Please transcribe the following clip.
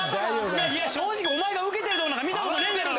正直お前がウケてるとこなんか見たことねえんだよ。